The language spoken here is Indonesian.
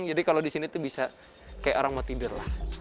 jadi kalau di sini tuh bisa kayak orang mau tidur lah